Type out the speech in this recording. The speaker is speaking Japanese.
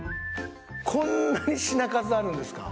こんなに品数あるんですか？